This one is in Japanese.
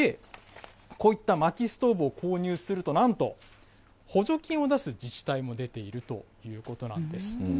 こういったまきストーブを購入すると、なんと、補助金を出す自治体も出ているということなんです。